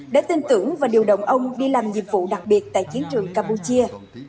đã tin tưởng và điều động ông đi làm nhiệm vụ đặc biệt tại chiến trường campuchia